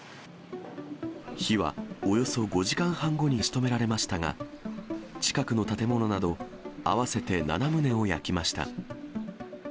火はおよそ５時間半後に消し止められましたが、近くの建物など、合わせて７棟を焼きました。